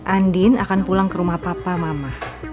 andin akan pulang ke rumah papa mama